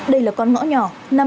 đây là con ngõ nhỏ